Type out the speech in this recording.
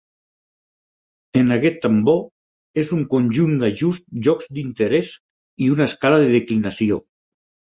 En aquest tambor és un conjunt d'ajust llocs d'interès i una escala de declinació.